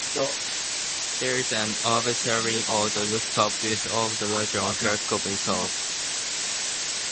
There is an observatory on the rooftop with the largest telescope in Seoul.